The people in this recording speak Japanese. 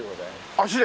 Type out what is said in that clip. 足で！